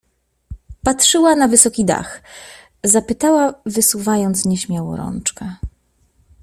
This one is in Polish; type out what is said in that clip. Patrzyła na wysoki dach, zapytała wysuwając nieśmiało rączkę.